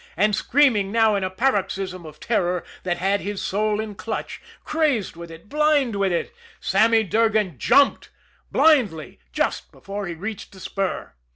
And, screaming now in a paroxysm of terror that had his soul in clutch, crazed with it, blind with it, Sammy Durgan jumped blindly just before he reached the spur.